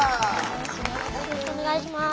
よろしくお願いします。